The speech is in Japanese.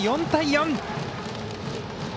４対４。